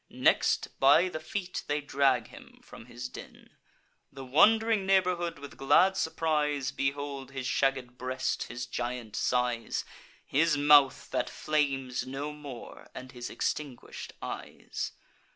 Next, by the feet, they drag him from his den. The wond'ring neighbourhood, with glad surprise, Behold his shagged breast, his giant size, His mouth that flames no more, and his extinguish'd eyes.